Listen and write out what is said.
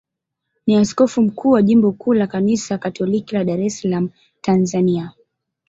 ni askofu mkuu wa jimbo kuu la Kanisa Katoliki la Dar es Salaam, Tanzania.